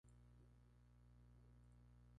Se produce la translocación ribosomal.